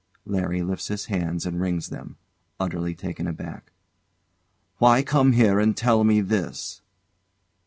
LARRY lifts his hands and wrings them. [Utterly taken aback] Why come here and tell me this?